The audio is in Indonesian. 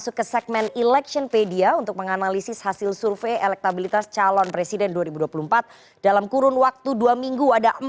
oke kita akan langsung lihat ini hasil survei punya foxpol dulu ya